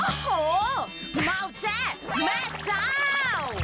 โอ้โฮมาวแจ๊ะแม่เจ้า